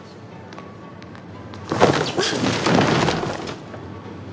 あっ！